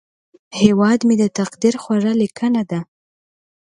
هیواد مې د تقدیر خوږه لیکنه ده